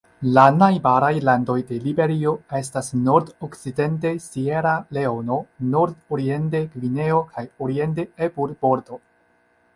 La najbaraj landoj de Liberio estas nordokcidente Sieraleono, nordoriente Gvineo kaj oriente Ebur-Bordo.